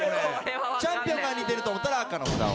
チャンピオンが似てると思ったら赤の札を。